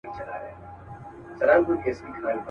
تیاره پر ختمېده ده څوک به ځي څوک به راځي.